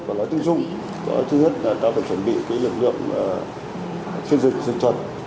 và nói chung là trước hết là ta phải chuẩn bị cái lực lượng chuyên dịch dịch trật